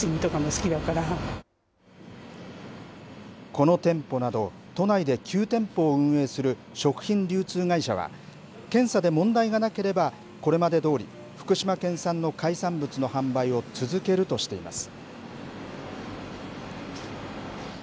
この店舗など都内で９店舗を運営する食品流通会社は検査で問題がなければこれまでどおり福島県産の海産物の販売を続けるとしています。